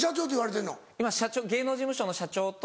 今社長芸能事務所の社長と。